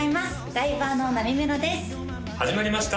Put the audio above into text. ライバーのなみめろです始まりました